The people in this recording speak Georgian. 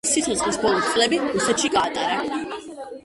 სიცოცხლის ბოლო წლები რუსეთში გაატარა.